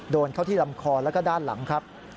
โดนเข้าที่ลำคอแล้วก็ด้านหลังครับ